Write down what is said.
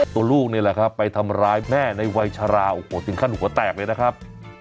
ตัวลูกนี่แหละครับไปทำร้ายแม่ในวัยชราโอ้โหถึงขั้นหัวแตกเลยนะครับ